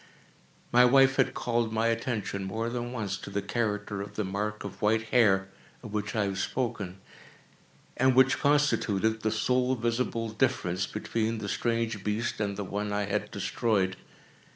My wife had called my attention, more than once, to the character of the mark of white hair, of which I have spoken, and which constituted the sole visible difference between the strange beast and the one I had destroyed.